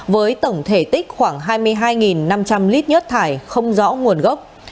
với tổng thể tích khoảng hai mươi hai năm trăm linh lít nhất thải không rõ nguồn gốc